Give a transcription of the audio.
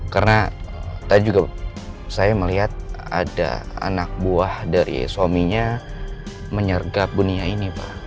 karena tadi juga saya melihat ada anak buah dari suaminya menyergap bunia ini pak